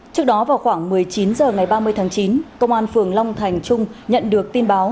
trước đó vào khoảng một mươi chín h ngày ba mươi tháng chín công an phường long thành trung nhận được tin báo